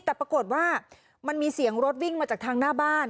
แต่ปรากฏว่ามันมีเสียงรถวิ่งมาจากทางหน้าบ้าน